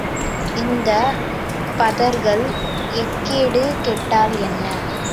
இந்தப் பதர்கள் எக்கேடு கெட்டால் என்ன?